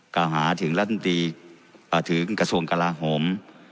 กล่าวหาถึงรัฐมนตรีถึงกระทรวงกลาโหม